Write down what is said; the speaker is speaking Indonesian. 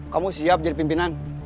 kamu siap jadi pimpinan